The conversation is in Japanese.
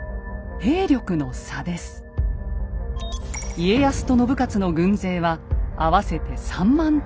家康と信雄の軍勢は合わせて３万程度。